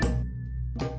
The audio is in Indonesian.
aku mau berbual